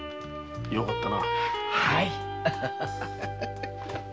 よかったな。